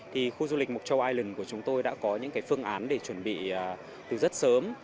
thì khu du lịch mộc châu ireland của chúng tôi đã có những phương án để chuẩn bị từ rất sớm